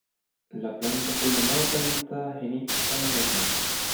La planta fue la llamada planta genista en latín.